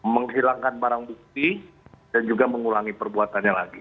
menghilangkan barang bukti dan juga mengulangi perbuatannya lagi